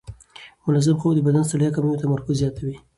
منظم خوب د بدن ستړیا کموي او تمرکز زیاتوي.